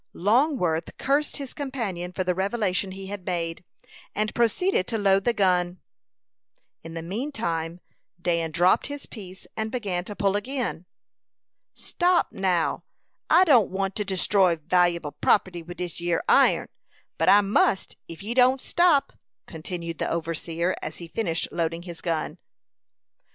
Longworth cursed his companion for the revelation he had made, and proceeded to load the gun. In the mean time Dan dropped his piece, and began to pull again. "Stop, now. I don't want to destroy val'able property with this yere iron, but I must if you don't stop," continued the overseer, as he finished loading his gun.